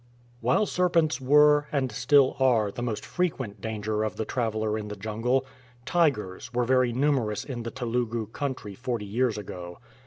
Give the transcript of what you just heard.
AVhile serpents were, and still are, the most frequent danger of the traveller in the jungle, tigers w^ere very numerous in the Telugu country forty years ago.